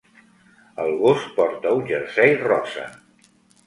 El gos porta un jersei rosa.